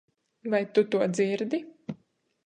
Vai tu to dzirdi?